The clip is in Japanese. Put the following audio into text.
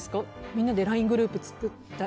みんなでＬＩＮＥグループ作って。